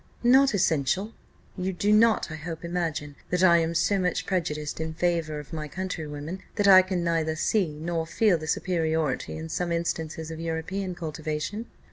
"Not essential. You do not, I hope, imagine that I am so much prejudiced in favour of my countrywomen, that I can neither see nor feel the superiority in some instances of European cultivation?